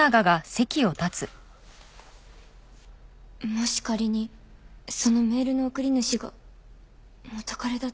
「」もし仮にそのメールの送り主が元カレだとしたら。